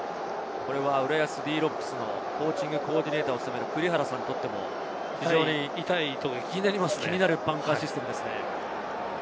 これは浦安Ｄ−Ｒｏｃｋｓのコーチングコーディネーターを務める栗原さんにとっても気になるバンカーシステムですね。